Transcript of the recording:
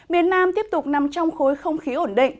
miền nam tiếp tục nằm trong khối không khí ổn định